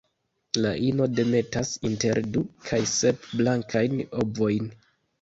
La ino demetas inter du kaj sep blankajn ovojn.